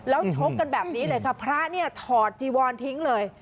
แล้วชกกันแบบนี้เลยค่ะพระเนี่ยถอดจีวอนทิ้งเลย